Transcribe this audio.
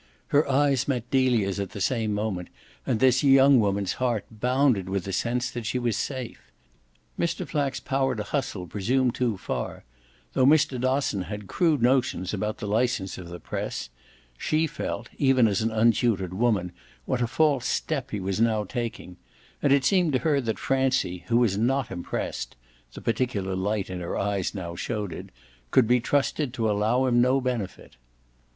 Her eyes met Delia's at the same moment, and this young woman's heart bounded with the sense that she was safe. Mr. Flack's power to hustle presumed too far though Mr. Dosson had crude notions about the licence of the press she felt, even as an untutored woman, what a false step he was now taking and it seemed to her that Francie, who was not impressed (the particular light in her eyes now showed it) could be trusted to allow him no benefit.